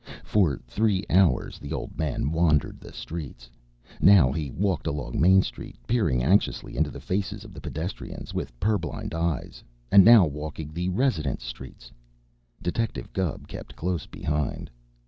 For three hours the old man wandered the streets. Now he walked along Main Street, peering anxiously into the faces of the pedestrians, with purblind eyes, and now walking the residence streets. Detective Gubb kept close behind.